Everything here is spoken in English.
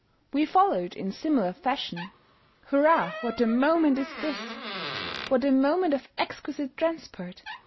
We followed, in similar fashion; Hurrah, what a moment is this! What a moment of exquisite transport!